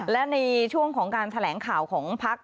และในช่วงของการแถลงข่าวของพัก